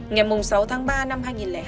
ngày sáu tháng ba năm hai nghìn hai